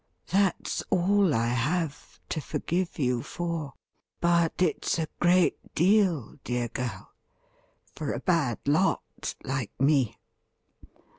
That's all I have .to forgive you for ; but it's a great deal, dear girl ! for a bad lot like me.